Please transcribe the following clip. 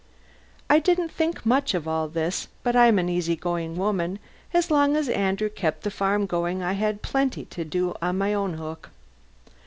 I didn't think much of all this, but I'm an easy going woman and as long as Andrew kept the farm going I had plenty to do on my own hook.